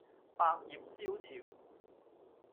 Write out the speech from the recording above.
百業蕭條